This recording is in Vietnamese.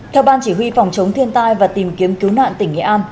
theo ban chỉ huy phòng chống thiên tai và tìm kiếm cứu nạn tỉnh nghệ an